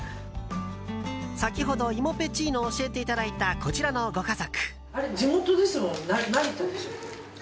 先ほど、芋ぺちーのを教えていただいたこちらのご家族。